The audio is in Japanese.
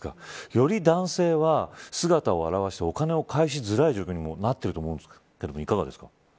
より男性は姿を現してお金を返しづらい状況にもなっていると思うんですがいかがですか。